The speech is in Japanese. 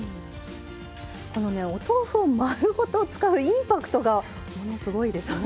このねお豆腐を丸ごと使うインパクトがすごいですね！